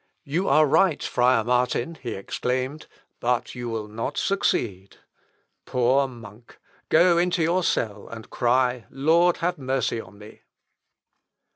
"You are right, friar Martin," he exclaimed, "but you will not succeed.... Poor monk! Go into your cell and cry, 'Lord, have mercy on me!'"